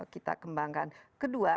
kita kembangkan kedua